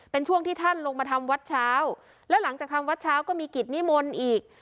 เป็นช่วงที่ท่านลงมาทำวัดเช้าแล้วหลังจากทำวัดเช้าก็มีกิจนิมนต์อีก